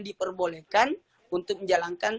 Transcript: diperbolehkan untuk menjalankan